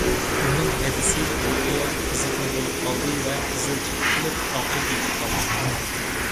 ئۇنىڭ ھەدىسى رۇقىيە قىزىتما بولۇپ قالدى ۋە قىزىل چىقىپ قېلىپ ئاغرىپ يېتىپ قالدى.